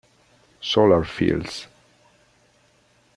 Solar Fields